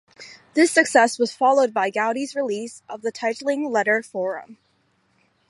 This success was followed by Goudy's release of the titling letter Forum.